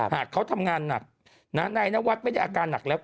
หากเขาทำงานหนักนายนวัดไม่ได้อาการหนักแล้ว